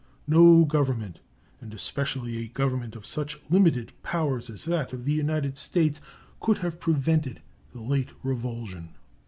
No government, and especially a government of such limited powers as that of the United States, could have prevented the late revulsion.